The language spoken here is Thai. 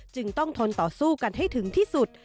จึงต้องทนต่อสู้กันให้ถึงที่สุด